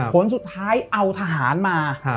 ผลสุดท้ายเอาทหารมา